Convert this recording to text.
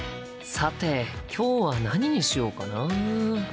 さて今日は何にしようかな？